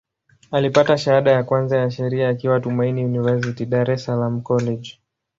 Alipata shahada ya kwanza ya Sheria akiwa Tumaini University, Dar es Salaam College.